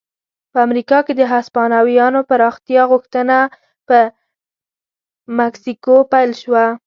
په امریکا کې د هسپانویانو پراختیا غوښتنه په مکسیکو پیل شوه.